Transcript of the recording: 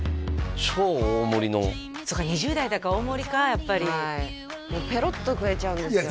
超大盛りのそっか２０代だから大盛りかやっぱりはいもうぺろっと食えちゃうんですよね